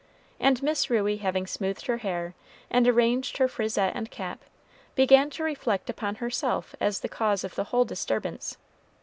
And Miss Ruey having smoothed her hair, and arranged her frisette and cap, began to reflect upon herself as the cause of the whole disturbance.